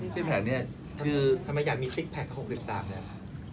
พี่แผนเนี้ยคือทำไมอยากมีซิกแพคหกสิบสามเนี้ย